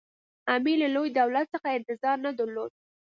امیر له لوی دولت څخه انتظار نه درلود.